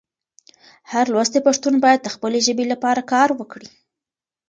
هر لوستی پښتون باید د خپلې ژبې لپاره کار وکړي.